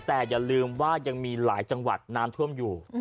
แต่อย่าลืมว่ายังมีหลายจังหวัดน้ำท่วมอยู่